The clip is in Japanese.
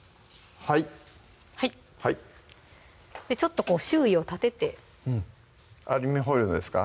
はいちょっと周囲を立ててアルミホイルのですか？